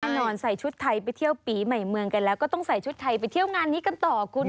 นอนใส่ชุดไทยไปเที่ยวปีใหม่เมืองกันแล้วก็ต้องใส่ชุดไทยไปเที่ยวงานนี้กันต่อคุณ